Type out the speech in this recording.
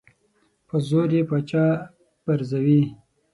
په زور یې پاچا پرزوي.